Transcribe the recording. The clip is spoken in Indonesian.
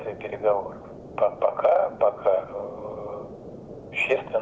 tidak ada perjanjian yang bisa diatakan